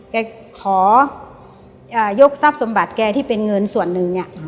แกขอยกทรัพย์สมบัติแกที่เป็นเงินส่วนหนึ่งเนี่ย